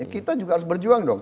kita juga harus berjuang dong